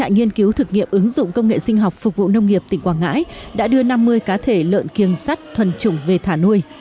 nghiên cứu thực nghiệm ứng dụng công nghệ sinh học phục vụ nông nghiệp tỉnh quảng ngãi đã đưa năm mươi cá thể lợn kiêng sắt thuần trùng về thả nuôi